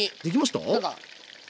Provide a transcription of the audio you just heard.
おっできました？